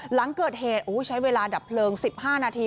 หลังเกิดเหตุใช้เวลาดับเพลิง๑๕นาที